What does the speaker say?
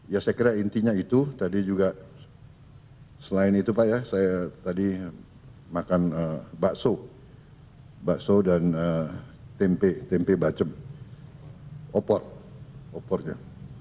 ya saya kira intinya itu tadi juga selain itu pak ya saya tadi makan bakso bakso dan tempe tempe bacem opor opornya